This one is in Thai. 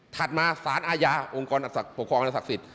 ต่อมาศาลอาญาองค์กรปกครองอาณาศักดิ์สิทธิ์